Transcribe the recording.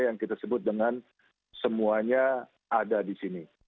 yang kita sebut dengan semuanya ada disini